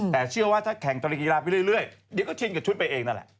แต่เชื่อว่าถ้าแข่งธุรกิจกีฬาไปเรื่อยเดี๋ยวก็ชินกับชุดไปเองนั่นแหละ